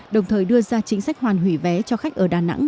đồng thời đưa ra chính sách hoàn hủy vé cho khách ở đà nẵng